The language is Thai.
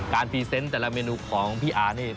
พรีเซนต์แต่ละเมนูของพี่อานี่